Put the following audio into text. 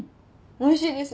おいしいです。